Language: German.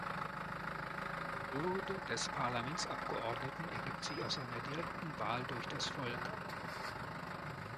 Die Würde des Parlamentsabgeordneten ergibt sich aus seiner direkten Wahl durch das Volk.